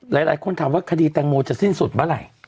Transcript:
หลายคนถามว่าคดีแตงโมจะสิ้นสุดเมื่อไหร่